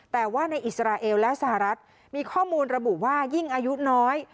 แต่ว่าในอิสราเอลและสหรัฐมีข้อมูลระบุว่ายิ่งอายุน้อย